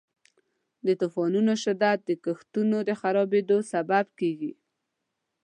د طوفانونو شدت د کښتونو د خرابیدو سبب کیږي.